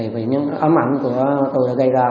vì những ấm ảnh của tôi đã gây ra